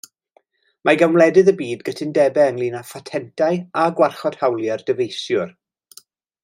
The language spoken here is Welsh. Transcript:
Mae gan wledydd y byd gytundebau ynglŷn â phatentau a gwarchod hawliau'r dyfeisiwr.